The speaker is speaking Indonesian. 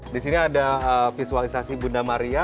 di sini ada visualisasi bunda maria